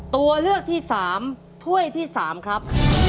ตัวเลือกที่สามถ้วยที่สามครับ